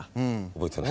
覚えてない。